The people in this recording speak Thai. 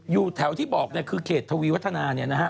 อยู่แถวที่บอกเนี่ยคือเขตทวีวัฒนาเนี่ยนะฮะ